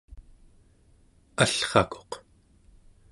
allrakuq